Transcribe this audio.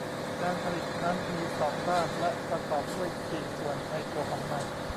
การผลิตนั้นมีสองด้านและประกอบด้วยสี่ส่วนในตัวของมัน